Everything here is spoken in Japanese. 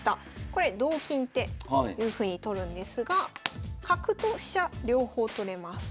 これ同金っていうふうに取るんですが角と飛車両方取れます。